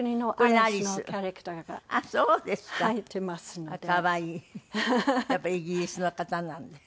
やっぱりイギリスの方なんで。